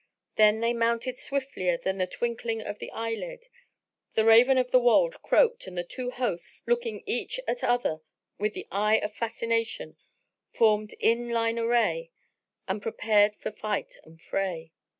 Then they mounted swiftlier than the twinkling of the eyelid; the raven of the wold croaked and the two hosts, looking each at other with the eye of fascination, formed in line array and prepared for fight and fray.